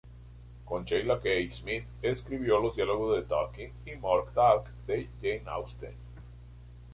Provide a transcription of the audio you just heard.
Con Sheila Kaye-Smith escribió los diálogos de "Talking" y "More Talk" de Jane Austen.